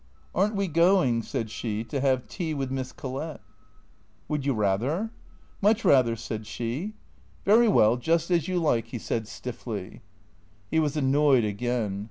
" Are n't we going," said she, " to have tea with Miss Col lett?" " Would you rather ?"" Much rather," said she. " Very well, just as you like," he said stiffly. He was annoyed again.